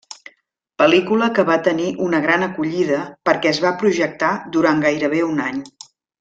Pel·lícula que va tenir una gran acollida perquè es va projectar durant gairebé un any.